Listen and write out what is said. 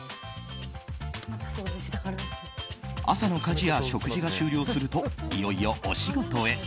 朝の家事や食事が終了するといよいよお仕事へ。